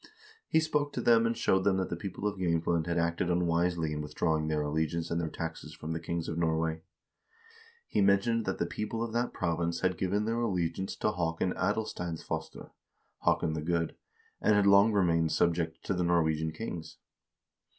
He spoke to them and showed them that the people of Jsemtland had acted unwisely in withdrawing their allegiance and their taxes from the kings of Norway. He mentioned that the people of that province had given their allegiance to Haakon Adalsteinsfostre (Haakon the Good), and had long remained subject to the Norwegian kings.